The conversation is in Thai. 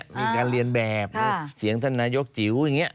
อ่ามีการเรียนแบบค่ะเสียงธนายกจิ๋วอย่างเงี้ยอ่า